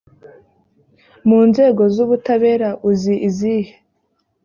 mu nzego z ubutabera uzi izihe